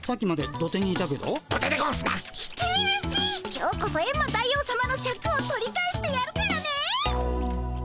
今日こそエンマ大王さまのシャクを取り返してやるからね。